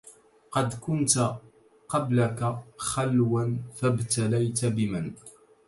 قد كنت قبلك خلوا فابتليت بمن